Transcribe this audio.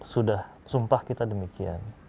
sudah sumpah kita demikian